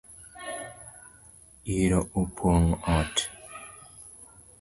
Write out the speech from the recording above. Iro opong’o ot